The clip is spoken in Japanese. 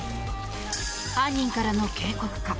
犯人からの警告か？